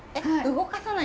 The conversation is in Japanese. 動かさない！